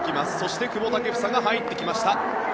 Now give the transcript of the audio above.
そして、久保建英が入ってきました。